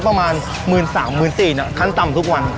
ก็ประมาณ๑๓๐๐๐๑๔๐๐๐อ่ะคันต่ำทุกวัน